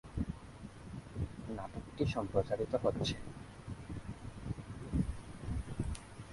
নাটকটি প্রচারিত হচ্ছে।